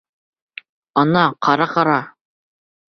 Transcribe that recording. Ана, ҡара, ҡара!